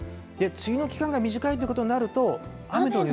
梅雨の期間が短いということになると。